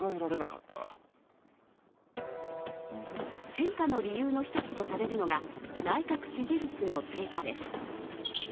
変化の理由の一つとされるのが内閣支持率の低下です。